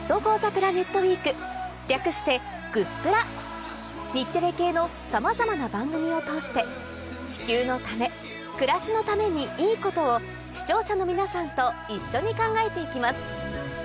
ウィーク略して＃グップラ日テレ系のさまざまな番組を通して地球のため暮らしのためにいいことを視聴者の皆さんと一緒に考えて行きます